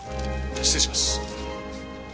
失礼します。